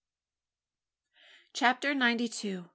CHAPTER NINETY TWO.